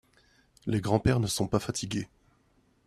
Les grands-pères ne sont pas fatigués.